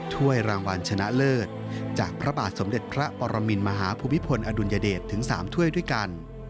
ถ้วยรางวัลชนะเลิศจากพระบาทสมเด็จพระปรมินมหาภูมิพลอดุลยเดชถึง๓ถ้วยด้วยกัน